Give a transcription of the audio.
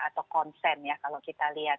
atau konsen ya kalau kita lihat